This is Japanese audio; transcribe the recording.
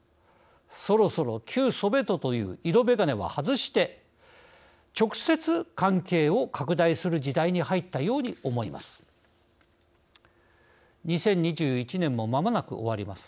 そろそろ旧ソビエトという色眼鏡は外して直接関係を拡大する時代に入ったように思います。